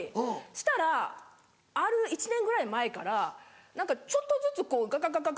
そしたらある１年ぐらい前からちょっとずつこうガガガガガ。